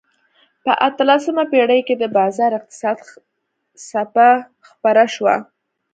په اتلسمه پېړۍ کې د بازار اقتصاد څپه خپره شوه.